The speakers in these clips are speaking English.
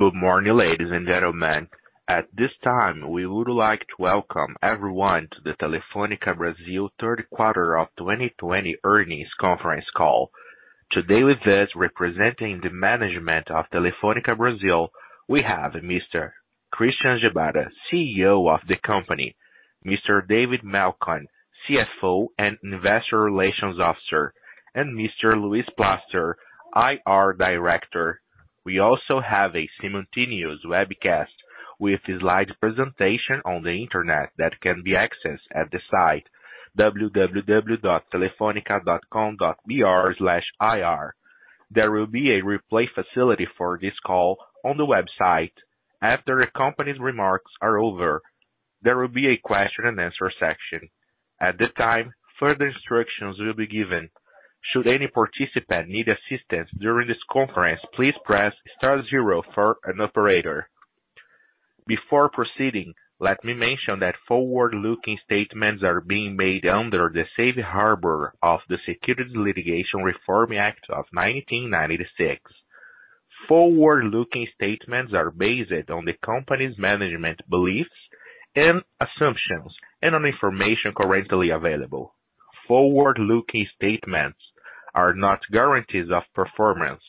Good morning, ladies and gentlemen. At this time, we would like to welcome everyone to the Telefônica Brasil third quarter of 2020 earnings conference call. Today with us representing the management of Telefônica Brasil, we have Mr. Christian Gebara, CEO of the company, Mr. David Melcon, CFO and investor relations officer, and Mr. Luis Plaster, IR Director. We also have a simultaneous webcast with a slide presentation on the internet that can be accessed at the site www.telefonica.com.br/ir. There will be a replay facility for this call on the website. After the company's remarks are over, there will be a question and answer section. At the time, further instructions will be given. Should any participant need assistance during this conference, please press star zero for an operator. Before proceeding, let me mention that forward-looking statements are being made under the safe harbor of the Private Securities Litigation Reform Act of 1995. Forward-looking statements are based on the company's management beliefs and assumptions and on information currently available. Forward-looking statements are not guarantees of performance.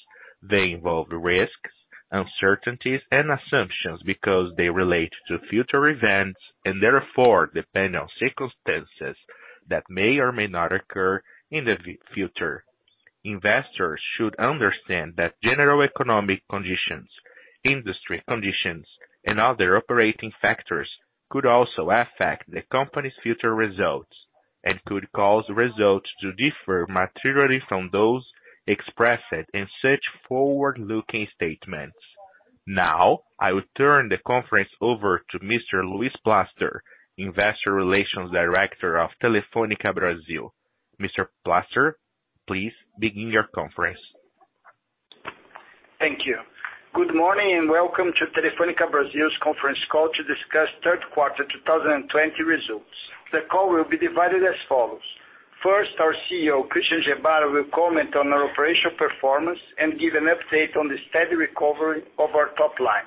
They involve risks, uncertainties, and assumptions because they relate to future events and therefore depend on circumstances that may or may not occur in the future. Investors should understand that general economic conditions, industry conditions, and other operating factors could also affect the company's future results and could cause results to differ materially from those expressed in such forward-looking statements. Now, I will turn the conference over to Mr. Luis Plaster, Investor Relations Director of Telefônica Brasil. Mr. Plaster, please begin your conference. Thank you. Good morning, and welcome to Telefônica Brasil's conference call to discuss third quarter 2020 results. The call will be divided as follows. First, our CEO, Christian Gebara, will comment on our operational performance and give an update on the steady recovery of our top line.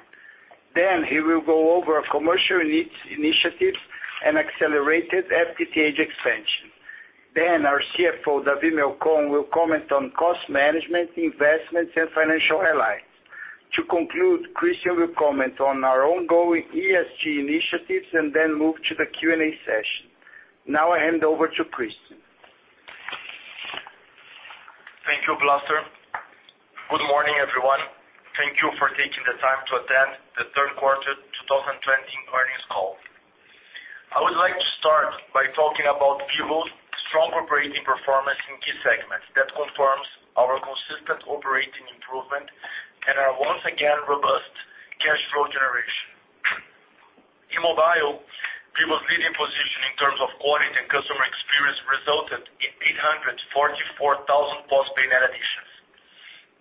He will go over our commercial initiatives and accelerated FTTH expansion. Our CFO, David Melcon, will comment on cost management, investments, and financial highlights. To conclude, Christian will comment on our ongoing ESG initiatives and then move to the Q&A session. Now I hand over to Christian. Thank you, Plaster. Good morning, everyone. Thank you for taking the time to attend the third quarter 2020 earnings call. I would like to start by talking about Vivo's strong operating performance in key segments that confirms our consistent operating improvement and our once again robust cash flow generation. In mobile, Vivo's leading position in terms of quality and customer experience resulted in 844,000 postpaid net additions.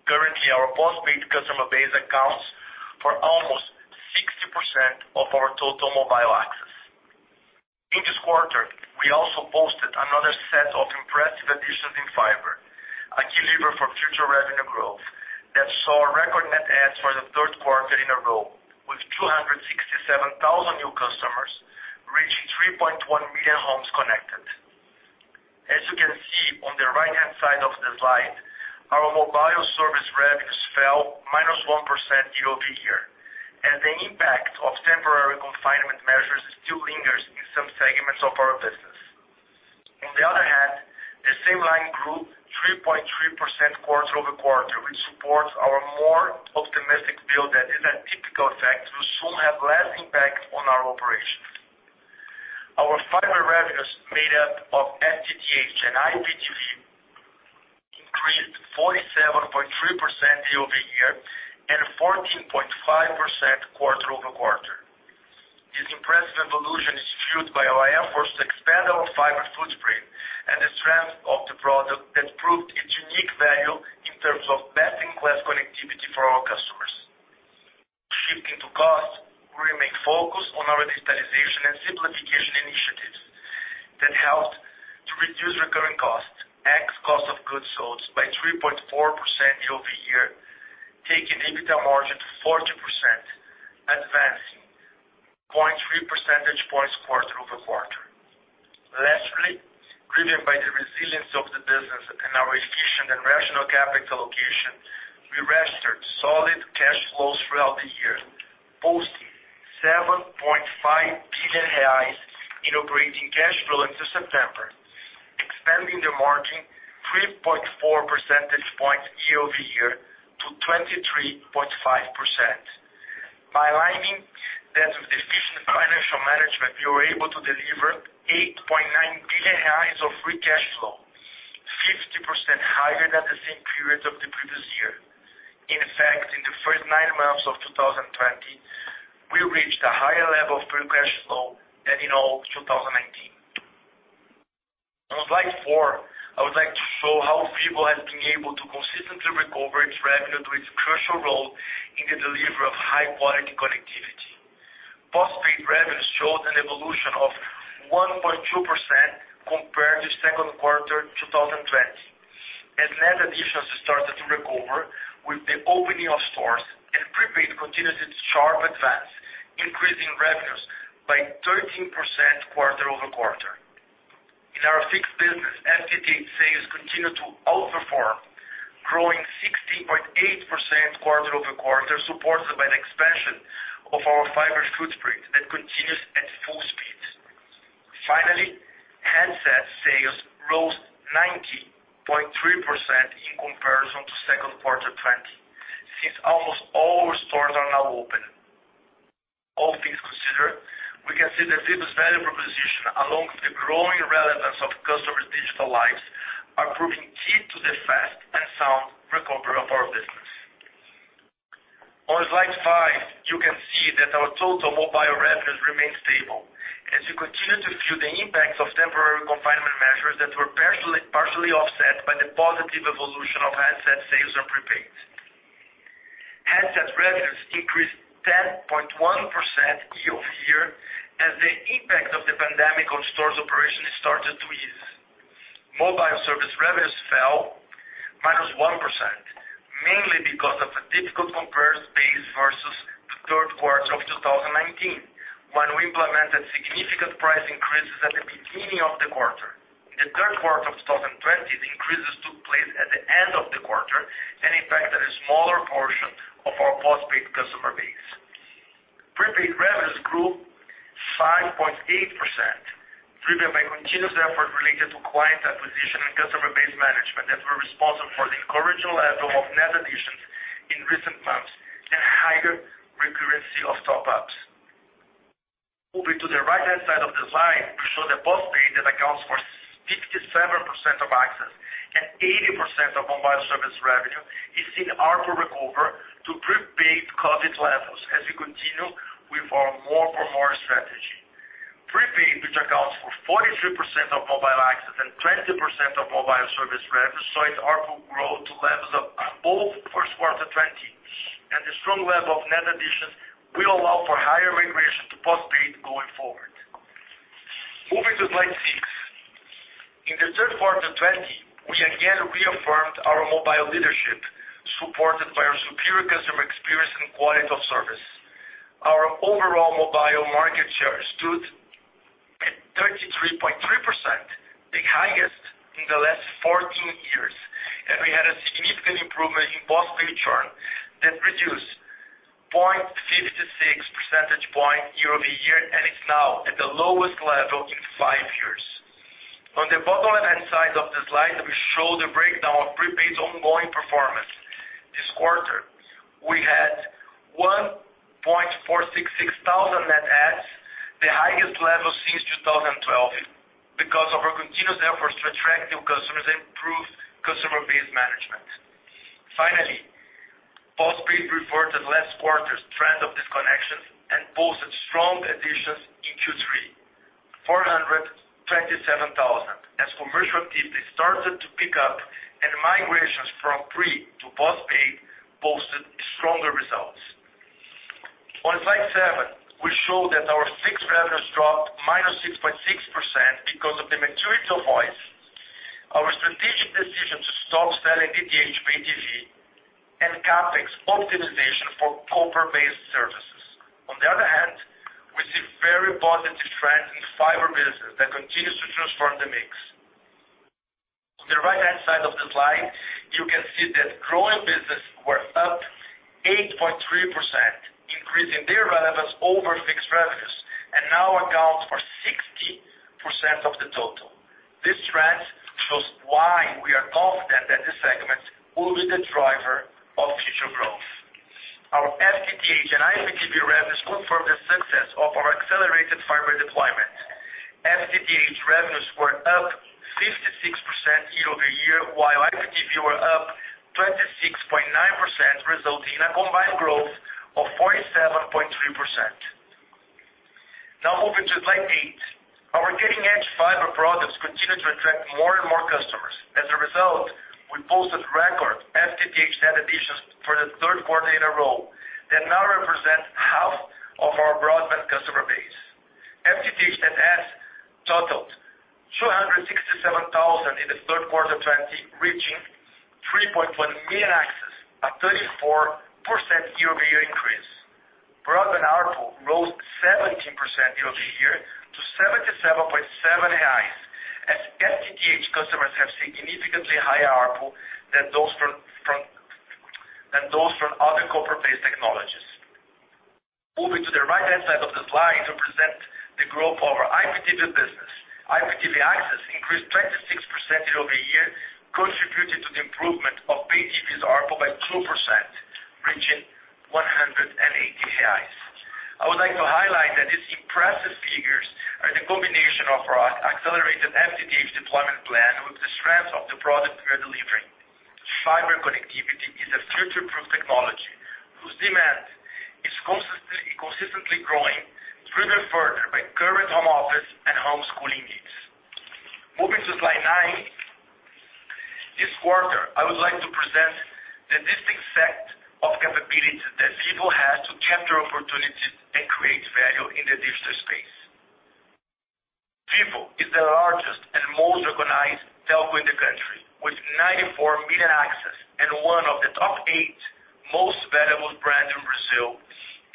Currently, our postpaid customer base accounts for almost 60% of our total mobile access. In this quarter, we also posted another set of impressive additions in fiber, a key lever for future revenue growth that saw record net adds for the third quarter in a row, with 267,000 new customers reaching 3.1 million homes connected. As you can see on the right-hand side of the slide, our mobile service revenues fell -1% year-over-year, and the impact of temporary confinement measures still lingers in some segments of our business. On the other hand, the same line grew 3.3% quarter-over-quarter, which supports our more optimistic view that this untypical effect will soon have less impact on our operations. Our fiber revenues made up of FTTH and IPTV increased 47.3% year-over-year and 14.5% quarter-over-quarter. This impressive evolution is fueled by our efforts to expand our fiber footprint and the strength of the product that proved its unique value in terms of best-in-class connectivity for our customers. Shifting to cost, we remain focused on our digitalization and simplification initiatives that helped to reduce recurring costs, X cost of goods sold by 3.4% year-over-year, taking EBITDA margin to 40%, advancing 0.3 percentage points quarter-over-quarter. Lastly, driven by the resilience of the business and our efficient and rational capital allocation, we registered solid cash flows throughout the year, posting 7.5 billion reais in operating cash flow into September, expanding the margin 3.4 percentage points year-over-year to 23.5%. By aligning that with efficient financial management, we were able to deliver 8.9 billion reais of free cash flow, 50% higher than the same period of the previous year. In fact, in the first nine months of 2020, we reached a higher level of free cash flow than in all of 2019. On slide four, I would like to show how Vivo has been able to consistently recover its revenue through its crucial role in the delivery of high-quality connectivity. Revenue showed an evolution of 1.2% compared to second quarter 2020. As net additions started to recover with the opening of stores, and prepaid continued its sharp advance, increasing revenues by 13% quarter-over-quarter. In our fixed business, FTTH sales continue to outperform, growing 16.8% quarter-over-quarter, supported by an expansion of our fiber footprint that continues at full speed. Finally, handset sales rose 19.3% in comparison to second quarter 2020, since almost all stores are now open. All things considered, we can see that Vivo's value proposition, along with the growing relevance of customers' digital lives, are proving key to the fast and sound recovery of our business. On slide five, you can see that our total mobile revenues remain stable as we continue to feel the impacts of temporary confinement measures that were partially offset by the positive evolution of handset sales and prepaid. Handset revenues increased 10.1% year-over-year, as the impact of the pandemic on stores operation started to ease. Mobile service revenues fell -1%, mainly because of a difficult comparison base versus the third quarter of 2019, when we implemented significant price increases at the beginning of the quarter. In the third quarter of 2020, the increases took place at the end of the quarter and impacted a smaller portion of our postpaid customer base. Prepaid revenues grew 5.8%, driven by continuous effort related to client acquisition and customer base management that were responsible for the encouraging level of net additions in recent months and higher recurrency of top-ups. Moving to the right-hand side of the slide, we show that postpaid that accounts for 67% of access and 80% of mobile service revenue is in ARPU recover to pre-COVID levels as we continue with our more for more strategy. Prepaid, which accounts for 43% of mobile access and 20% of mobile service revenue, saw its ARPU grow to levels of both first quarter 2020 and the strong level of net additions will allow for higher migration to postpaid going forward. Moving to slide six. In the third quarter 2020, we again reaffirmed our mobile leadership, supported by our superior customer experience and quality of service. Our overall mobile market share stood at 33.3%, the highest in the last 14 years, and we had a significant improvement in postpaid churn that reduced 0.56 percentage point year-over-year, and is now at the lowest level in five years. On the bottom left-hand side of the slide, we show the breakdown of prepaid's ongoing performance. This quarter, we had 1,466 thousand net adds, the highest level since 2012, because of our continuous efforts to attract new customers and improve customer base management. Finally, postpaid reverted last quarter's trend of disconnections and posted strong additions in Q3, 427,000, as commercial activity started to pick up and migrations from pre to postpaid posted stronger results. On slide seven, we show that our fixed revenues dropped -6.6% because of the maturity of voice. Our strategic decision to stop selling DTH TV and CapEx optimization for copper-based services. On the other hand, we see very positive trends in fiber business that continues to transform the mix. On the right-hand side of the slide, you can see that growing business were up 8.3%, increasing their relevance over fixed revenues and now account for 60% of the total. This trend shows why we are confident that this segment will be the driver of future growth. Our FTTH and IPTV revenues confirm the success of our accelerated fiber deployment. FTTH revenues were up 56% year-over-year, while IPTV were up 26.9%, resulting in a combined growth of 47.3%. Now moving to slide eight. Our cutting-edge fiber products continue to attract more and more customers. As a result, we posted record FTTH net additions for the third quarter in a row that now represent half of our broadband customer base. FTTH net adds totaled 267,000 in the third quarter 2020, reaching 3.1 million access, a 34% year-over-year increase. Broadband ARPU rose 17% year-over-year to 77.7 reais, as FTTH customers have significantly higher ARPU than those from other copper-based technologies. Moving to the right-hand side of the slide to present the growth of our IPTV business. IPTV access increased 26% year-over-year, contributing to the improvement of pay TVs ARPU by 2%, reaching 108 reais. I would like to highlight that these impressive figures are the combination of our accelerated FTTH deployment plan with the strength of the product we are delivering. Fiber connectivity is a future-proof technology whose demand is consistently growing. I would like to present the distinct set of capabilities that Vivo has to capture opportunities and create value in the digital space. Vivo is the largest and most recognized telco in the country, with 94 million access and one of the top eight most valuable brand in Brazil,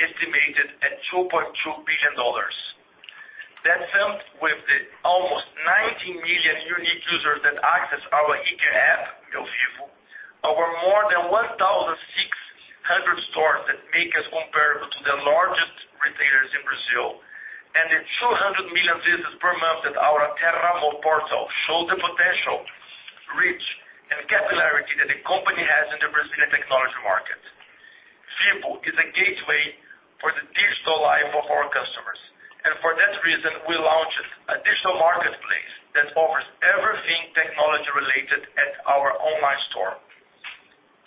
estimated at $2.2 billion. That sum, with the almost 90 million unique users that access our e-care app, Meu Vivo, our more than 1,600 stores that make us comparable to the largest retailers in Brazil, and the 200 million visits per month at our Terra portal show the potential reach and capillarity that the company has in the Brazilian technology market. Vivo is a gateway for the digital life of our customers. For that reason, we launched a digital marketplace that offers everything technology-related at our online store.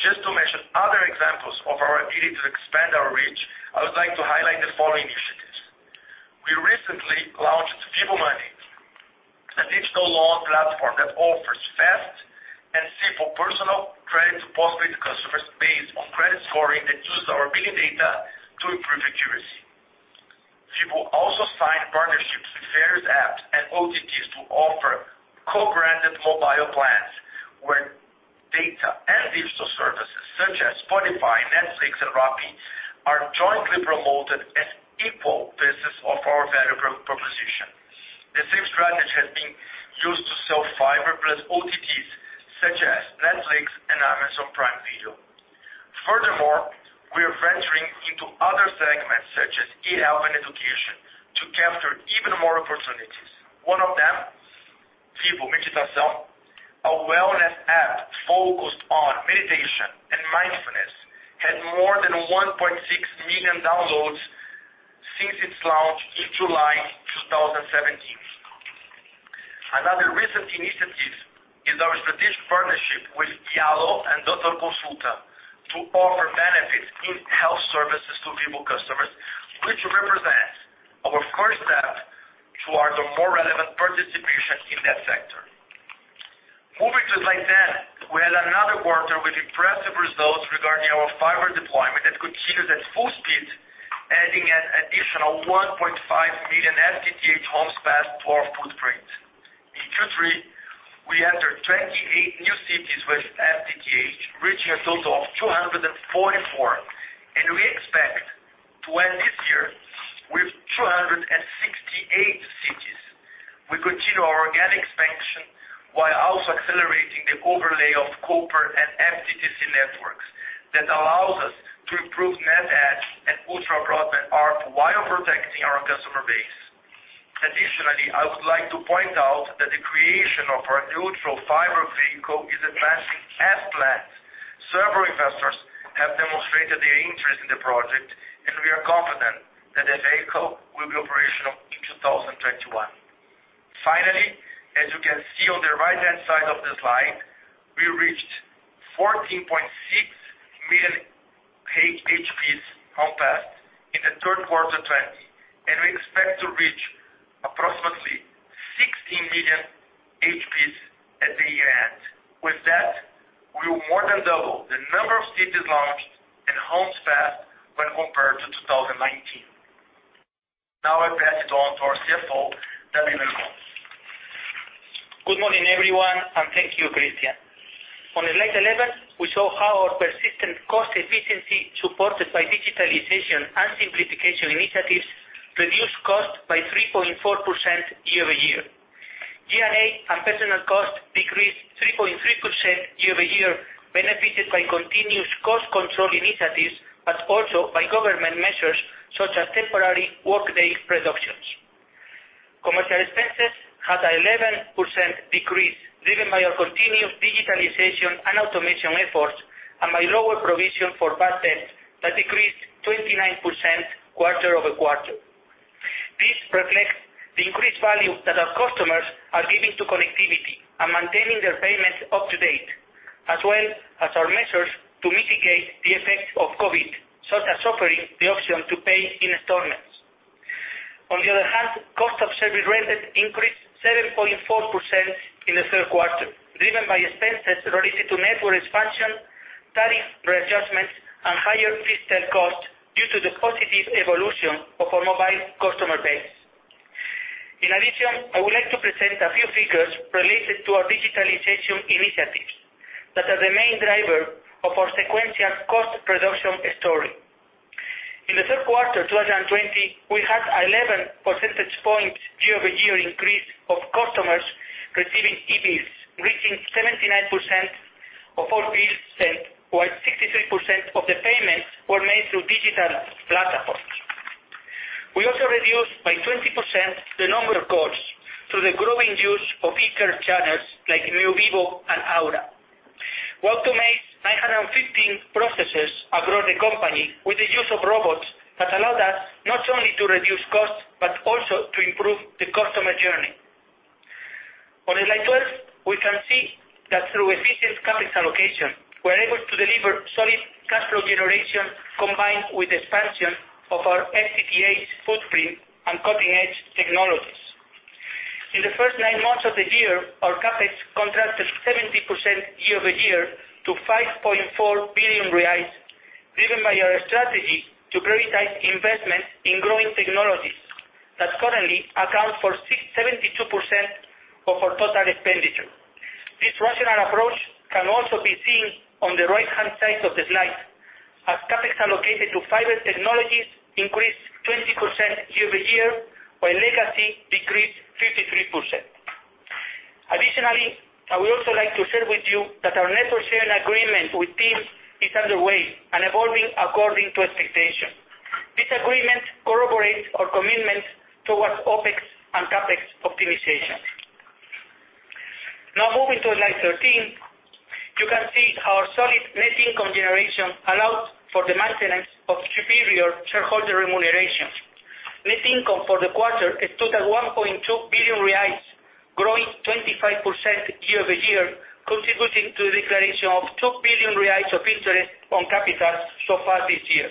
Just to mention other examples of our ability to expand our reach, I would like to highlight the following initiatives. We recently launched Vivo Money, a digital loan platform that offers fast and simple personal credit to postpaid customers based on credit scoring that uses our big data to improve accuracy. Vivo also signed partnerships with various apps and OTTs to offer co-branded mobile plans where data and digital services such as Spotify, Netflix, and Rappi are jointly promoted as equal pieces of our value proposition. The same strategy has been used to sell fiber plus OTTs, such as Netflix and Amazon Prime Video. We are venturing into other segments such as e-health and education to capture even more opportunities. One of them, Vivo Meditação, a wellness app focused on meditation and mindfulness, had more than 1.6 million downloads since its launch in July 2017. Another recent initiatives is our strategic partnership with Dialo and Dr. Consulta to offer benefits in health services to Vivo customers, which represent our first step towards a more relevant participation in that sector. Moving to slide 10, we had another quarter with impressive results regarding our fiber deployment that continues at full speed, adding an additional 1.5 million FTTH homes passed to our footprint. In Q3, we entered 28 new cities with FTTH, reaching a total of 244, and we expect to end this year with 268 cities. We continue our organic expansion while also accelerating the overlay of copper and FTTC networks that allows us to improve net add and ultra-broadband ARPU while protecting our customer base. Additionally, I would like to point out that the creation of our neutral fiber vehicle is advancing as planned. Several investors have demonstrated their interest in the project, and we are confident that the vehicle will be operational in 2021. Finally, as you can see on the right-hand side of the slide, we reached 14.6 million HPs home passed in the third quarter 2020, and we expect to reach approximately 16 million HPs at the year-end. With that, we will more than double the number of cities launched and homes passed when compared to 2019. Now I pass it on to our CFO, David Melcon. Good morning, everyone. Thank you, Christian. On slide 11, we show how our persistent cost efficiency supported by digitalization and simplification initiatives reduced cost by 3.4% year-over-year. G&A and personal cost decreased 3.3% year-over-year, benefited by continuous cost control initiatives, but also by government measures such as temporary workday reductions. Commercial expenses had 11% decrease, driven by our continuous digitalization and automation efforts and by lower provision for bad debt that decreased 29% quarter-over-quarter. This reflects the increased value that our customers are giving to connectivity and maintaining their payments up to date, as well as our measures to mitigate the effects of COVID, such as offering the option to pay in installments. On the other hand, cost of service revenue increased 7.4% in the third quarter, driven by expenses related to network expansion, tariff readjustment, and higher retail cost due to the positive evolution of our mobile customer base. In addition, I would like to present a few figures related to our digitalization initiatives that are the main driver of our sequential cost reduction story. In the third quarter 2020, we had 11 percentage points year-over-year increase of customers receiving e-bills, reaching 79% of all bills sent, while 63% of the payments were made through digital platforms. We also reduced by 20% the number of calls through the growing use of e-care channels like Meu Vivo and Aura. We automate 915 processes across the company with the use of robots that allow us not only to reduce costs, but also to improve the customer journey. On slide 12, we can see that through efficient capital allocation, we're able to deliver solid cash flow generation combined with expansion of our FTTH footprint and cutting-edge technologies. In the first nine months of the year, our CapEx contracted 70% year-over-year to 5.4 billion reais, driven by our strategy to prioritize investment in growing technologies that currently account for 72% of our total expenditure. This rational approach can also be seen on the right-hand side of the slide. As CapEx allocated to fiber technologies increased 20% year-over-year, while legacy decreased 53%. Additionally, I would also like to share with you that our network sharing agreement with TIM is underway and evolving according to expectation. This agreement corroborates our commitment towards OpEx and CapEx optimization. Moving to slide 13, you can see our solid net income generation allowed for the maintenance of superior shareholder remuneration. Net income for the quarter stood at 1.2 billion reais, growing 25% year-over-year, contributing to the declaration of 2 billion reais of interest on capital so far this year.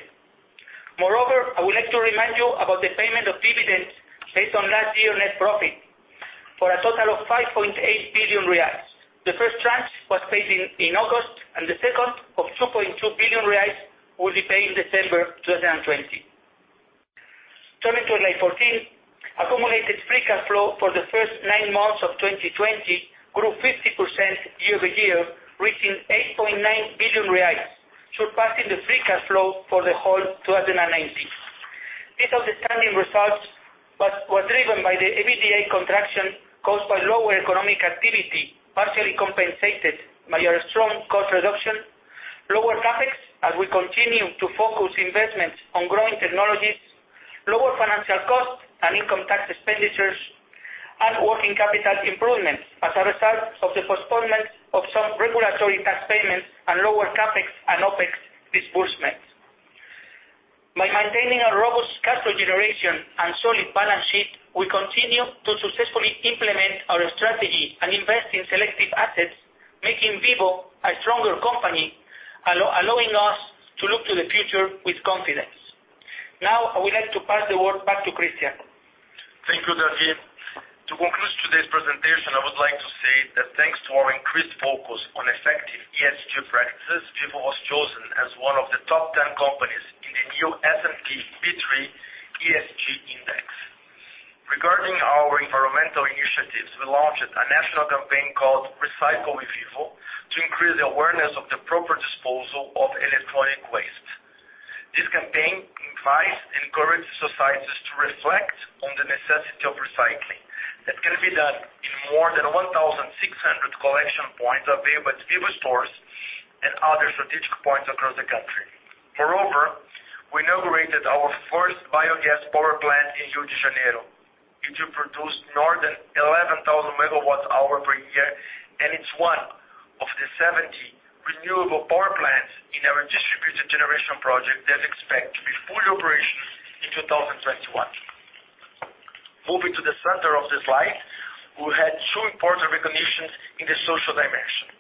Moreover, I would like to remind you about the payment of dividends based on last year's net profit, for a total of 5.8 billion reais. The first tranche was paid in August, and the second, of 2.2 billion reais, will be paid in December 2020. Turning to slide 14, accumulated free cash flow for the first nine months of 2020 grew 50% year-over-year, reaching 8.9 billion reais, surpassing the free cash flow for the whole 2019. These outstanding results were driven by the EBITDA contraction caused by lower economic activity, partially compensated by our strong cost reduction, lower CapEx as we continue to focus investments on growing technologies, lower financial costs and income tax expenditures, and working capital improvements as a result of the postponement of some regulatory tax payments and lower CapEx and OpEx disbursements. By maintaining a robust cash flow generation and solid balance sheet, we continue to successfully implement our strategy and invest in selective assets, making Vivo a stronger company, allowing us to look to the future with confidence. Now, I would like to pass the word back to Christian. Thank you, David. To conclude today's presentation, I would like to say that thanks to our increased focus on effective ESG practices, Vivo was chosen as one of the top 10 companies in the new S&P/B3 ESG Index. Regarding our environmental initiatives, we launched a national campaign called Recycle with Vivo to increase the awareness of the proper disposal of electronic waste. This campaign invites and encourages societies to reflect on the necessity of recycling. That can be done in more than 1,600 collection points available at Vivo stores and other strategic points across the country. Moreover, we inaugurated our first biogas power plant in Rio de Janeiro. It will produce more than 11,000 MWh per year, and it's one of the 70 renewable power plants in our distributed generation project that's expected to be fully operational in 2021. Moving to the center of the slide, we had two important recognitions in the social dimension.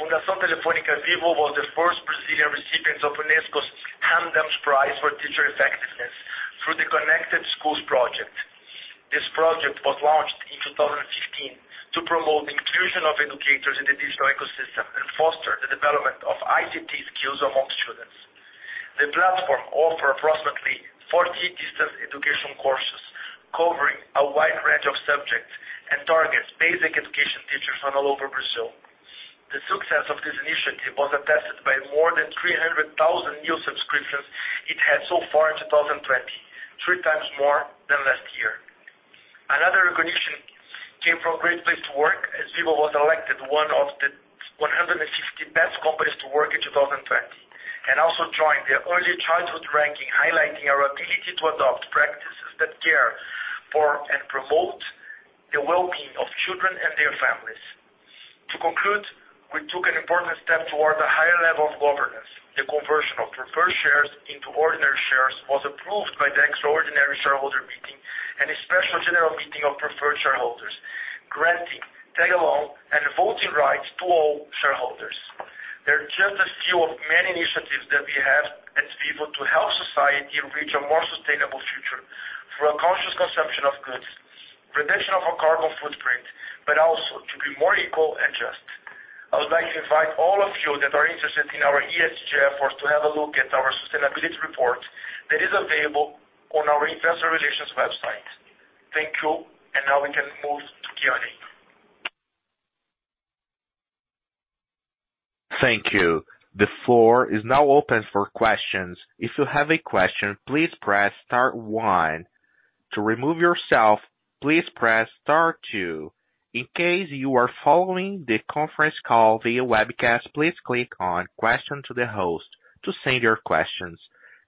Fundação Telefônica Vivo was the first Brazilian recipient of UNESCO's Hamdan Prize for teacher effectiveness through the Connected Schools project. This project was launched in 2015 to promote the inclusion of educators in the digital ecosystem and foster the development of ICT skills among students. The platform offers approximately 40 distance education courses covering a wide range of subjects and targets basic education teachers from all over Brazil. The success of this initiative was attested by more than 300,000 new subscriptions it had so far in 2020, three times more than last year. Another recognition came from a Great Place to Work as Vivo was elected one of the 150 best companies to work in 2020, and also joined the Early Childhood Ranking, highlighting our ability to adopt practices that care for and promote the wellbeing of children and their families. To conclude, we took an important step toward a higher level of governance. The conversion of preferred shares into ordinary shares was approved by the extraordinary shareholder meeting and a special general meeting of preferred shareholders, granting tag along and voting rights to all shareholders. They're just a few of many initiatives that we have at Vivo to help society reach a more sustainable future through a conscious consumption of goods, reduction of our carbon footprint, but also to be more equal and just. I would like to invite all of you that are interested in our ESG efforts to have a look at our sustainability report that is available on our investor relations website. Thank you. Now we can move to Q&A. Thank you. The floor is now open for questions, if you have a question please press star one. To remove yourself please press star two, in case you are following the conference via webcast, please click on question to the host to save your questions.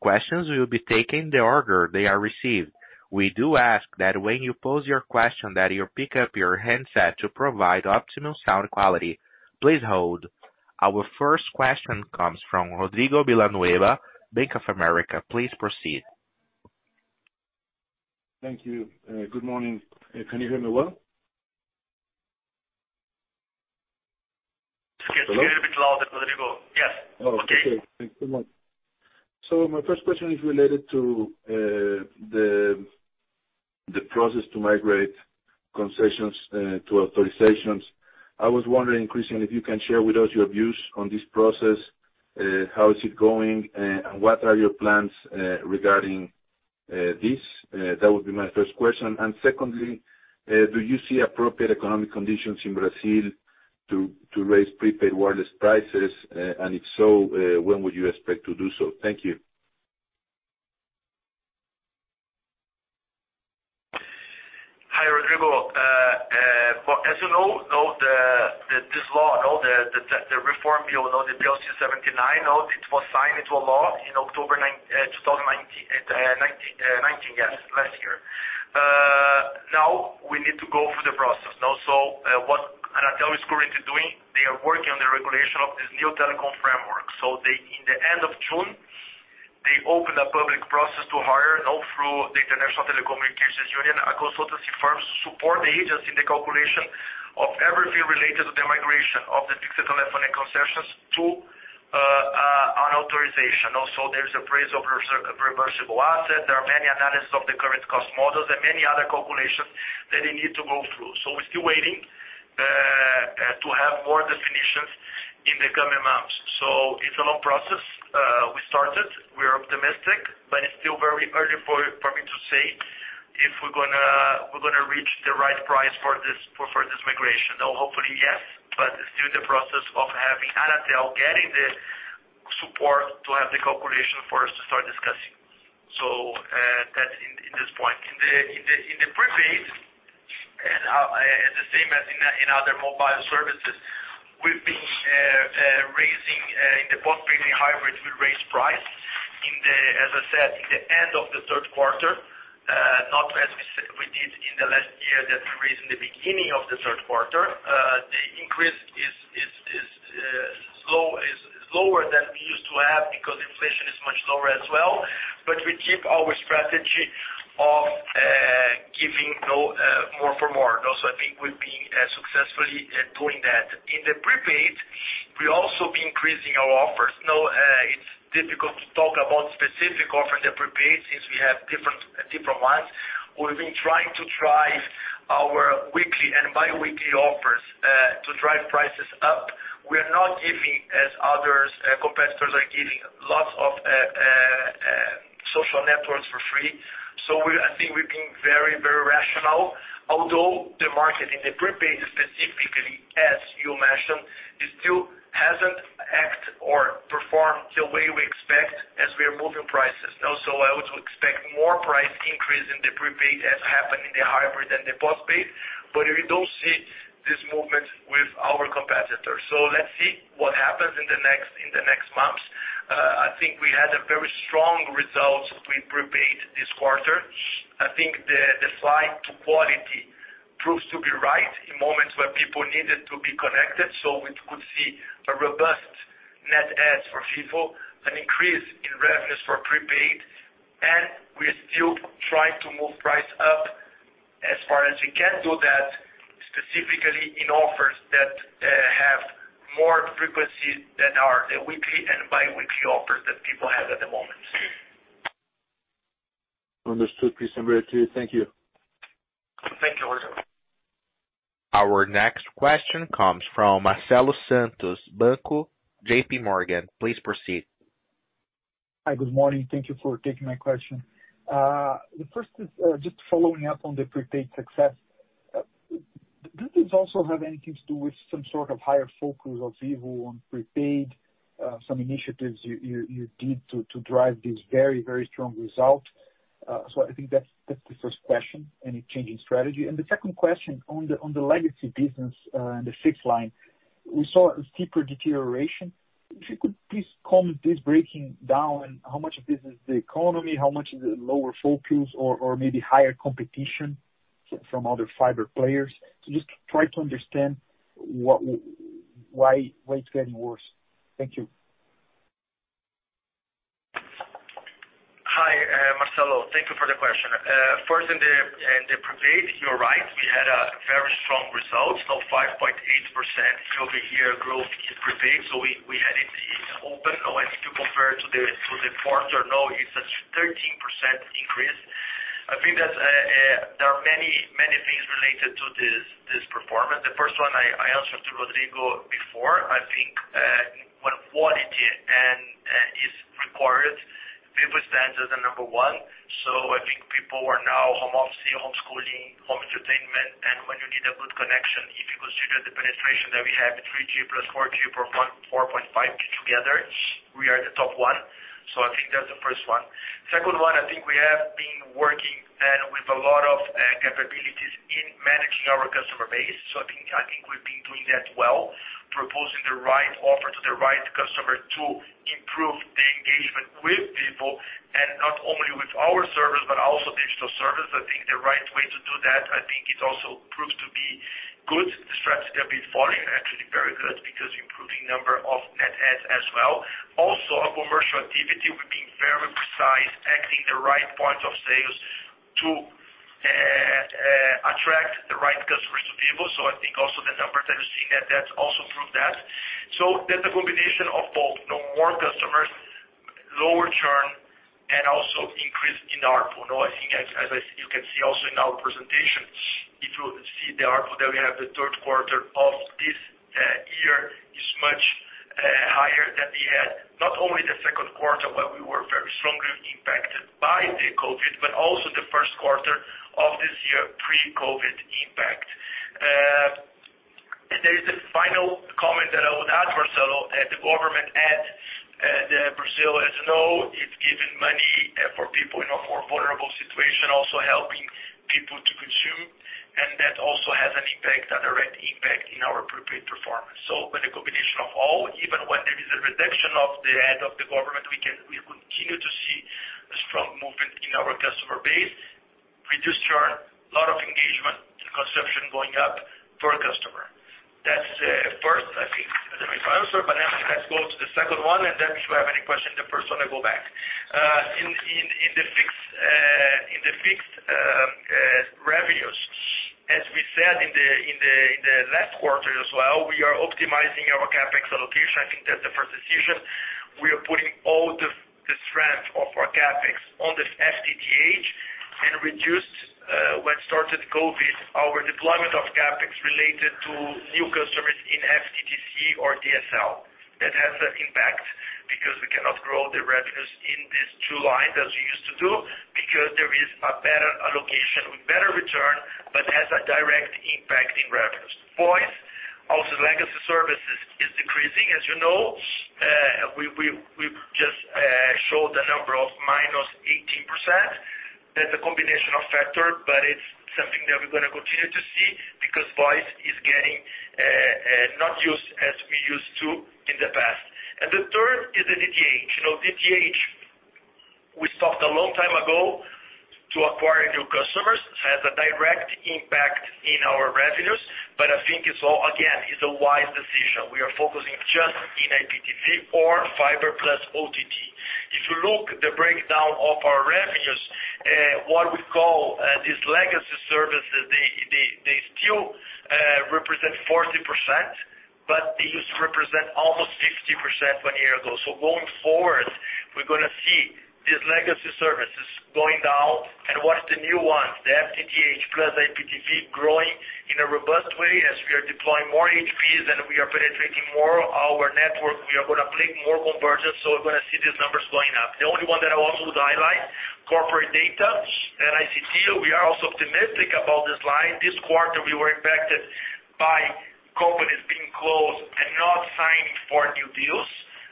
Questions we will be taken in the order they are received. We do ask that when you pose your question that you pick up your handset to provide optimal sound quality, please hold. Our first question comes from Rodrigo Villanueva, Bank of America. Please proceed. Thank you. Good morning. Can you hear me well? It's a little bit loud, but let it go. Yes. Okay. Oh, okay. Thanks so much. My first question is related to the process to migrate concessions to authorizations. I was wondering, Christian, if you can share with us your views on this process. How is it going, and what are your plans regarding this? That would be my first question. Secondly, do you see appropriate economic conditions in Brazil to raise prepaid wireless prices? If so, when would you expect to do so? Thank you. Hi, Rodrigo. As you know, this law, the reform bill, the PLC 79, it was signed into a law in October 2019. Yes, last year. We need to go through the process. What Anatel is currently doing, they are working on the regulation of this new telecom framework. In the end of June, they open a public process to hire, through the International Telecommunication Union, a consultancy firm to support the agency in the calculation of everything related to the migration of the fixed telephony concessions to an authorization. Also, there's appraisal of reversible assets. There are many analysis of the current cost models and many other calculations that they need to go through. We're still waiting to have more definitions in the coming months. It's a long process. We started, we are optimistic, but it's still very early for me to say if we're going to reach the right price for this migration. Hopefully, yes. It's still in the process of having Anatel getting the support to have the calculation for us to start discussing. That's in this point. In the prepaid, the same as in other mobile services, we've been raising in the post-paid and hybrid, we raised price. As I said, in the end of the third quarter, not as we did in the last year that we raised in the beginning of the third quarter. The increase is lower than we used to have because inflation is much lower as well. We keep our strategy of giving more for more. I think we've been successfully doing that. In the prepaid, we'll also be increasing our offers. It's difficult to talk about specific offers in the prepaid since we have different ones. We've been trying to drive our weekly and biweekly offers, to drive prices up. We are not giving as others competitors are giving lots of social networks for free. I think we're being very, very rational. Although the market in the prepaid specifically, as you mentioned, it still hasn't acted or performed the way we expect as we are moving prices. Also, I would expect more price increase in the prepaid as happened in the hybrid and the postpaid. We don't see this movement with our competitors. Let's see what happens in the next months. I think we had a very strong result with prepaid this quarter. I think the slide to quality proves to be right in moments where people needed to be connected. We could see a robust net adds for Vivo, an increase in revenues for prepaid, and we are still trying to move price up as far as we can do that, specifically in offers that have more frequency than our weekly and biweekly offers that people have at the moment. Understood, Christian. Very clear. Thank you. Thank you, Rodrigo. Our next question comes from Marcelo Santos, JPMorgan. Please proceed. Hi. Good morning. Thank you for taking my question. The first is just following up on the prepaid success. Did this also have anything to do with some sort of higher focus of Vivo on prepaid, some initiatives you did to drive this very strong result? I think that's the first question, any changing strategy. The second question on the legacy business and the fixed line. We saw a steeper deterioration. If you could please comment this breaking down, how much of this is the economy, how much is it lower focus or maybe higher competition from other fiber players? Just try to understand why it's getting worse. Thank you. Hi, Marcelo. Thank you for the question. First, in the prepaid, you're right, we had a very strong result. 5.8% year-over-year growth in prepaid. We had it open. If you compare it to the quarter, it's a 13% increase. I think there are many things related to this performance. The first one I answered to Rodrigo before. I think when quality is required, Vivo stands as the number one. I think people are now home office, homeschooling, home entertainment, and when you need a good connection, if you consider the penetration that we have, 3G plus 4G plus 4.5G together, we are the top one. I think that's the first one. Second one, I think we have been working then with a lot of capabilities in managing our customer base. I think we've been doing that well, proposing the right offer to the right customer to improve the engagement with people, and not only with our service but also digital service. I think the right way to do that, I think it also proves to be good. The strategy that we've followed is actually very good because improving number of net adds as well. Our commercial activity, we've been very precise, acting the right point of sales to attract the right customers to Vivo. I think also the numbers that you're seeing, that also prove that. That's a combination of both more customers, lower churn, and also increase in ARPU. I think as you can see also in our presentation, if you see the ARPU that we have, the third quarter of this year is much higher than we had, not only the second quarter, where we were very strongly impacted by the COVID, but also the first quarter of this year, pre-COVID impact. There is a final comment that I would add, Marcelo. The government aid, the Brazil, as you know, it's giving money for people in a more vulnerable situation, also helping people to consume. That also has an impact, a direct impact, in our prepaid performance. With a combination of all, even when there is a reduction of the aid of the government, we'll continue to see a strong movement in our customer base, reduced churn, lot of engagement, and consumption going up per customer. That's first, I think, I don't know if I answered, but let's go to the second one, and then if you have any question, the first one, I go back. In the fixed revenues, as we said in the last quarter as well, we are optimizing our CapEx allocation. I think that's the first decision. We are putting all the strength of our CapEx on this FTTH and reduced, when started COVID, our deployment of CapEx related to new customers in FTTC or DSL. That has an impact because we cannot grow the revenues in these two lines as we used to do, because there is a better allocation with better return, but has a direct impact in revenues. Voice, also legacy services, is decreasing. As you know, we just showed the number of -18%. That's a combination of factor, it's something that we're going to continue to see because voice is getting not used as we used to in the past. The third is the DTH. DTH, we stopped a long time ago to acquire new customers, has a direct impact in our revenues. I think it's all, again, it's a wise decision. We are focusing just in IPTV or fiber plus OTT. If you look the breakdown of our revenues, what we call these legacy services, they still represent 40%, but they used to represent almost 50% one year ago. Going forward, we're going to see these legacy services going down and watch the new ones, the FTTH plus IPTV growing in a robust way as we are deploying more HPs and we are penetrating more our network. We are going to plate more convergence, so we're going to see these numbers going up. The only one that I also would highlight, corporate data, ICT, we are also optimistic about this line. This quarter, we were impacted by companies being closed and not signing for new deals.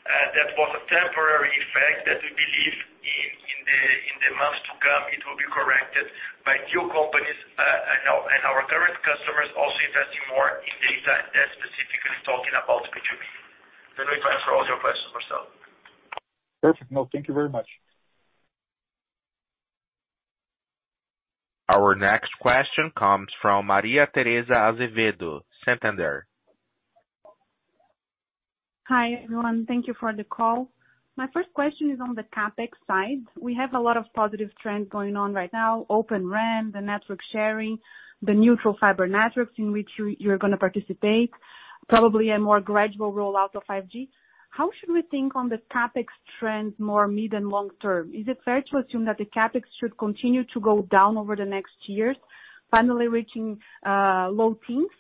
That was a temporary effect that we believe in the months to come, it will be corrected by new companies. Our current customers also investing more in data, and that's specifically talking about B2B. Let me answer all your questions, Marcelo. Perfect. No, thank you very much. Our next question comes from Maria Tereza Azevedo, Santander. Hi, everyone. Thank you for the call. My first question is on the CapEx side. We have a lot of positive trends going on right now, Open RAN, the network sharing, the neutral fiber networks in which you're going to participate, probably a more gradual rollout of 5G. How should we think on the CapEx trend more mid and long term? Is it fair to assume that the CapEx should continue to go down over the next years, finally reaching low teens?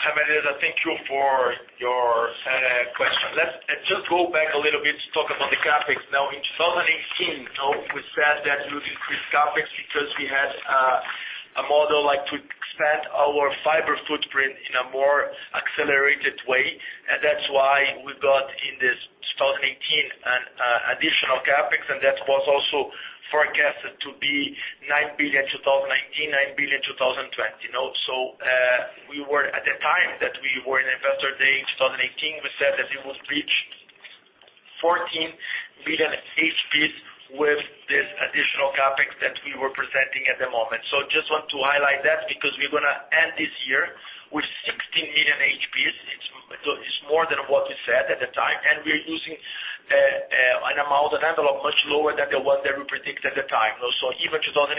Hi, Maria. Thank you for your question. Let's just go back a little bit to talk about the CapEx. Now, in 2019, we said that we would increase CapEx because we had a model to expand our fiber footprint in a more accelerated way. That's why we got, in this 2018, an additional CapEx, and that was also forecasted to be 9 billion 2019, 9 billion 2020. We were, at the time that we were in Investor Day 2018, we said that we would reach 14 million HPs with this additional CapEx that we were presenting at the moment. Just want to highlight that because we're going to end this year with 16 million HPs. It's more than what we said at the time, and we're using an amount, an envelope much lower than the one that we predicted at the time. Even 2018,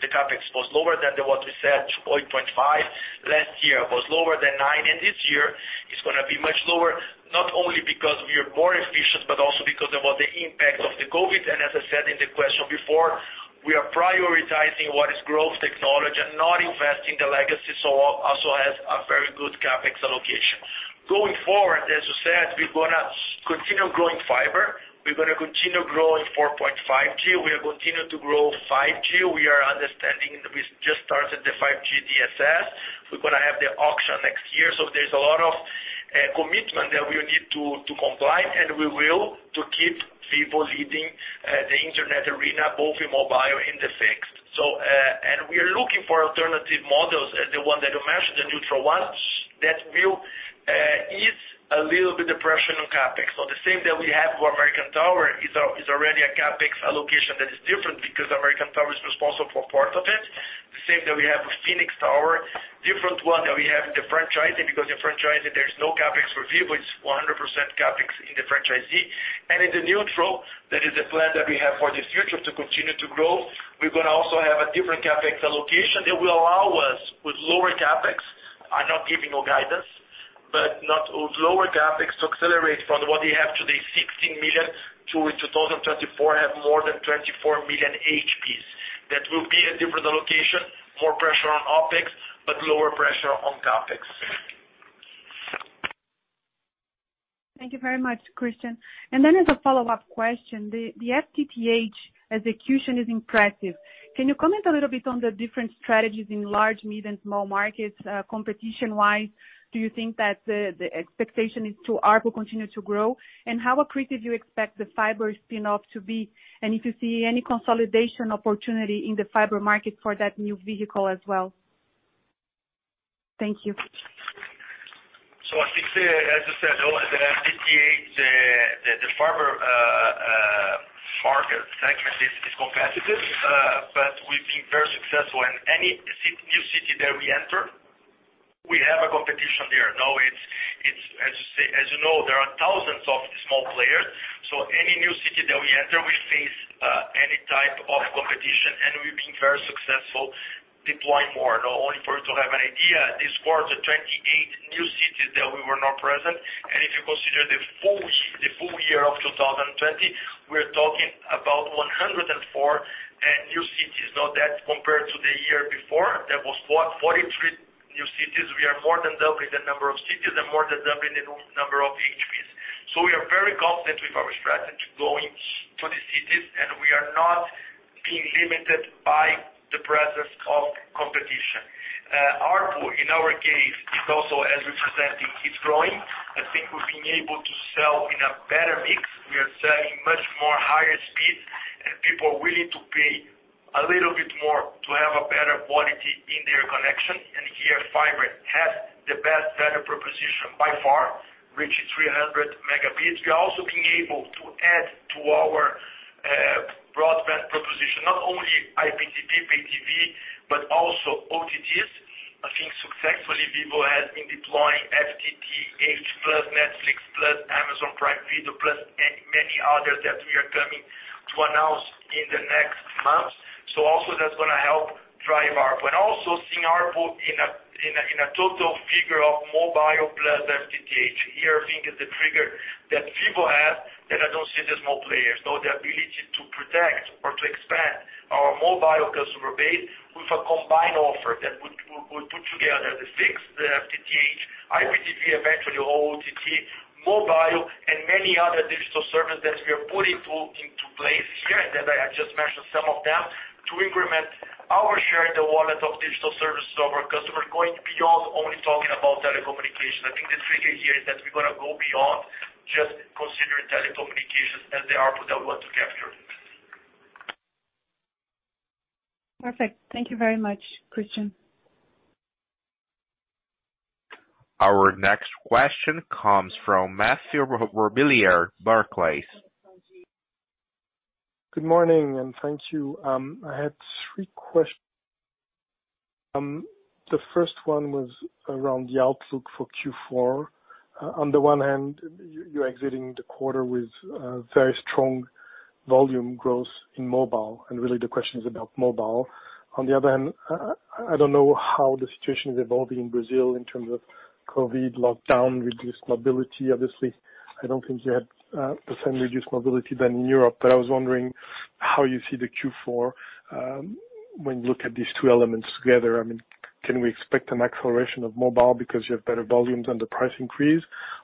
the CapEx was lower than what we said. [inaudible] Last year was lower than nine, and this year is going to be much lower, not only because we are more efficient, but also because of all the impact of the COVID. As I said in the question before, we are prioritizing what is growth technology and not investing the legacy, so also has a very good CapEx allocation. Going forward, as you said, we're going to continue growing fiber. We're going to continue growing 4.5G. We'll continue to grow 5G. We just started the 5G DSS. We're going to have the auction next year, so there's a lot of commitment that we need to comply, and we will, to keep Vivo leading the internet arena, both in mobile and the fixed. We are looking for alternative models, the one that you mentioned, the neutral ones, that will ease a little bit the pressure on CapEx. The same that we have for American Tower is already a CapEx allocation that is different because American Tower responsible for part of it. The same that we have with Phoenix Tower. Different one that we have with the franchisee, because the franchisee, there's no CapEx review, but it's 100% CapEx in the franchisee. In the neutral, that is a plan that we have for the future to continue to grow. We're going to also have a different CapEx allocation that will allow us with lower CapEx. I'm not giving you guidance, but not with lower CapEx to accelerate from what we have today, 16 million, to in 2024, have more than 24 million HPs. That will be a different allocation, more pressure on OpEx, but lower pressure on CapEx. Thank you very much, Christian. As a follow-up question, the FTTH execution is impressive. Can you comment a little bit on the different strategies in large, mid, and small markets, competition-wise? Do you think that the expectation is to ARPU continue to grow? How accretive do you expect the fiber spinoff to be? If you see any consolidation opportunity in the fiber market for that new vehicle as well. Thank you. I think, as you said, the FTTH, the fiber market segment is competitive, but we've been very successful. In any new city that we enter, we have a competition there. As you know, there are thousands of small players, so any new city that we enter, we face any type of competition, and we've been very successful deploying more. Only for you to have an idea, this quarter, 28 new cities that we were not present, and if you consider the full year of 2020, we're talking about 104 new cities. That compared to the year before, that was 43 new cities. We are more than doubling the number of cities and more than doubling the number of HPs. We are very confident with our strategy going to the cities, and we are not being limited by the presence of competition. ARPU, in our case, is also, as we presented, it's growing. I think we've been able to sell in a better mix. We are selling much more higher speeds, and people are willing to pay a little bit more to have a better quality in their connection. Here, fiber has the best value proposition by far, reaching 300 Mb. We're also being able to add to our broadband proposition, not only IPTV, pay TV, but also OTTs. I think successfully, Vivo has been deploying FTTH plus Netflix, plus Amazon Prime Video, plus many others that we are coming to announce in the next months. Also, that's going to help drive ARPU. Also seeing ARPU in a total figure of mobile plus FTTH. Here, I think is the trigger that Vivo has that I don't see the small players. The ability to protect or to expand our mobile customer base with a combined offer that would put together the fixed, the FTTH, IPTV, eventually OTT, mobile, and many other digital services that we are putting into place here, that I just mentioned some of them, to increment our share in the wallet of digital services to our customers, going beyond only talking about telecommunications. I think the trigger here is that we're going to go beyond just considering telecommunications as the ARPU that we want to capture. Perfect. Thank you very much, Christian. Our next question comes from Mathieu Robilliard, Barclays. Good morning, and thank you. I had three questions. The first one was around the outlook for Q4. On the one hand, you're exiting the quarter with very strong volume growth in mobile, and really the question is about mobile. On the other hand, I don't know how the situation is evolving in Brazil in terms of COVID lockdown, reduced mobility. Obviously, I don't think you had percentage reduced mobility than in Europe. I was wondering how you see the Q4, when you look at these two elements together. Can we expect an acceleration of mobile because you have better volumes and the price increase?